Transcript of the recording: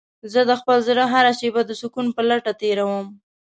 زه د خپل زړه هره شېبه د سکون په لټه تېرووم.